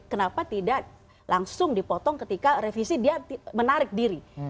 kenapa tidak langsung dipotong ketika revisi dia menarik diri